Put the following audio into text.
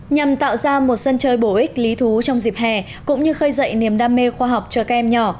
nhằm tạo ra một sân chơi bổ ích lý thú trong dịp hè cũng như khơi dậy niềm đam mê khoa học cho các em nhỏ